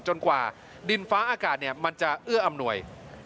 กว่าดินฟ้าอากาศมันจะเอื้ออำนวย